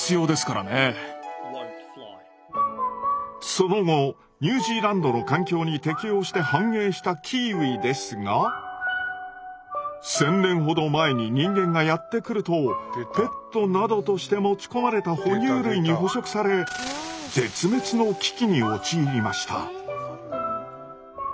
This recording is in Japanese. その後ニュージーランドの環境に適応して繁栄したキーウィですが１，０００年ほど前に人間がやって来るとペットなどとして持ち込まれた哺乳類に捕食され絶滅の危機に陥りました。